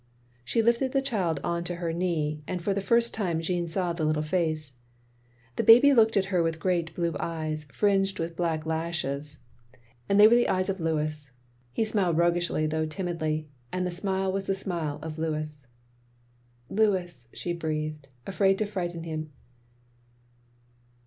" She lifted the child on to her knee, and for the first time Jeanne saw the little face. The baby looked at her with great blue eyes fringed with black lashes, and they were the 336 THE LONELY LADY eyes of Louis; he smiled roguishly though timidly — ^and the smile was the smile of Louis. "Louis!" she breathed, afraid to frighten him.